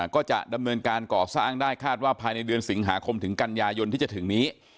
ก็จะดำเนินการก่อสร้างได้คาดว่าภายในเดือนสิงหาคมถึงกันยายนที่จะถึงนี้